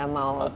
ai semacam itu